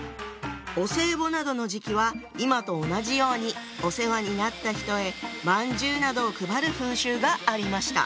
お歳暮などの時期は今と同じようにお世話になった人へまんじゅうなどを配る風習がありました。